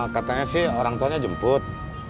katanya sih orang tuanya jemput